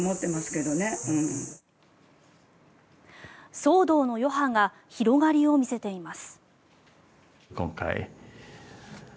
騒動の余波が広がりを見せています。